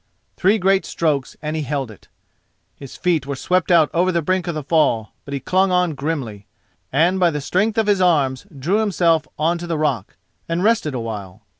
Three great strokes and he held it. His feet were swept out over the brink of the fall, but he clung on grimly, and by the strength of his arms drew himself on to the rock and rested a while.